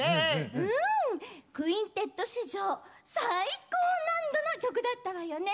うん「クインテット」史上最高難度の曲だったわよね！